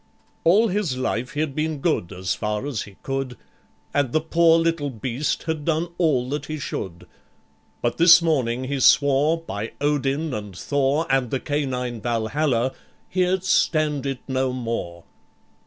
All his life he'd been good, as far as he could, And the poor little beast had done all that he should. But this morning he swore, by Odin and Thor And the Canine Valhalla he'd stand it no more!